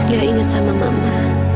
gak inget sama mama